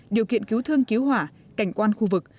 điều kiện cứu thương cứu hỏa cảnh quan khu vực